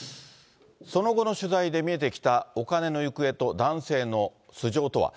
その後の取材で見えてきたお金の行方と、男性の素性とは。